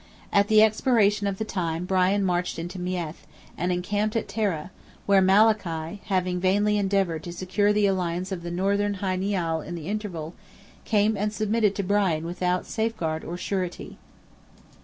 At the expiration of the time Brian marched into Meath, and encamped at Tara, where Malachy, having vainly endeavoured to secure the alliance of the Northern Hy Nial in the interval, came and submitted to Brian without safeguard or surety.